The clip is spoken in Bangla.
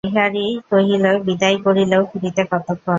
বিহারী কহিল, বিদায় করিলেও ফিরিতে কতক্ষণ।